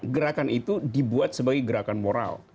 gerakan itu dibuat sebagai gerakan moral